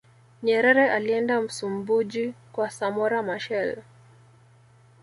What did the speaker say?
nyerere alienda msumbuji kwa samora machel